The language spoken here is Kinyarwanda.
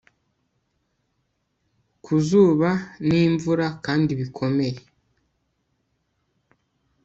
Ku zuba nimvura kandi bikomeye